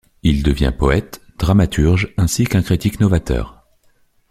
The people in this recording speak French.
Il devient poète, dramaturge ainsi qu'un critique novateur.